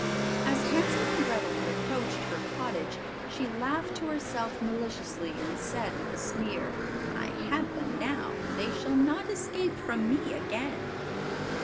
As Hansel and Grethel had approached her cottage, she laughed to herself maliciously, and said, with a sneer: "I have them now; they shall not escape from me again!"